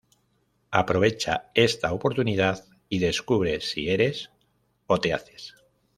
Aprovecha esta oportunidad y descubre si eres... o te haces.